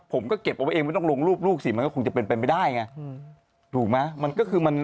ผมก็เก็บเอาไว้เองไม่ต้องลงรูปสิมันก็คงจะเป็นไปได้ไงถูกมั้ยมันก็คือมัน